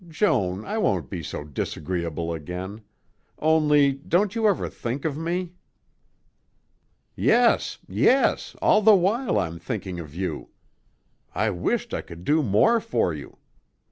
Joan, I won't be so disagreeable again. Only, don't you ever think of me?" "Yes, yes; all the while I'm thinking of you. I wisht I could do more for you.